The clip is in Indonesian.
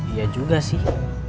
iya juga sih